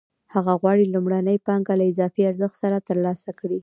هغه غواړي لومړنۍ پانګه له اضافي ارزښت سره ترلاسه کړي